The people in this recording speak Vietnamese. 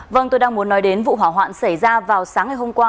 vâng tôi đang muốn nói đến vụ hỏa hoạn xảy ra vào sáng ngày hôm qua